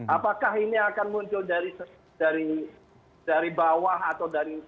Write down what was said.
apakah ini akan muncul dari bawah atau dari